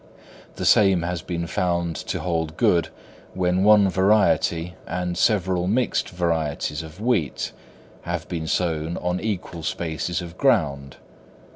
The same has been found to hold good when one variety and several mixed varieties of wheat have been sown on equal spaces of ground.